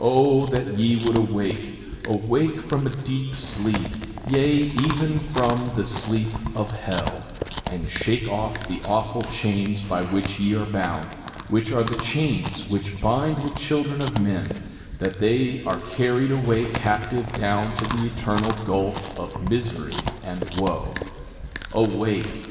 1:13 O that ye would awake; awake from a deep sleep, yea, even from the sleep of hell, and shake off the awful chains by which ye are bound, which are the chains which bind the children of men, that they are carried away captive down to the eternal gulf of misery and woe. 1:14 Awake!